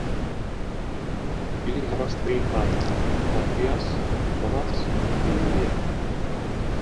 Ili havas tri infanojn: Matthias, Thomas kaj Julie.